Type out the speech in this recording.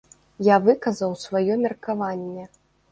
Я выказаў сваё меркаванне.